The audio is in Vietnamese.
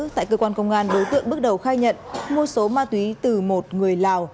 tại cơ quan công an đối tượng bước đầu khai nhận mua số ma túy từ một người lào